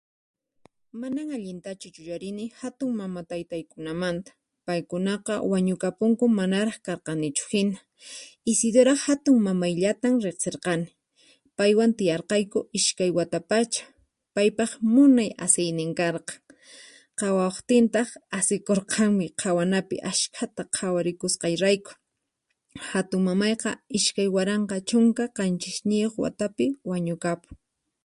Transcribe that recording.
Manan allintachu yuyarini hatunmamataytaykunamanta, paykunaqa wañukapunku manaraq karkanichu hina. Isidora hatun mamayllatam riqsirqani, paywan tiyarqayku iskay wata pacha paypaq munay asiynin karqan, qhawawaqtintaq asikurqanmi qhawanapi askhata qhawarikusqayrayku. Hatun mamayqa iskay waranqa chunka qanchisniyuq watapi wañukapun.